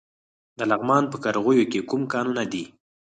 د لغمان په قرغیو کې کوم کانونه دي؟